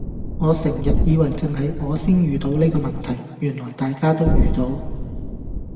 我成日以為淨係我先遇到呢個問題，原來大家都遇到